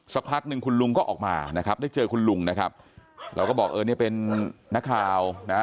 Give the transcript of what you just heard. สักพักหนึ่งคุณลุงก็ออกมานะครับได้เจอคุณลุงนะครับเราก็บอกเออเนี่ยเป็นนักข่าวนะ